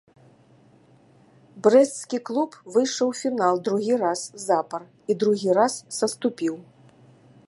Брэсцкі клуб выйшаў у фінал другі раз запар і другі раз саступіў.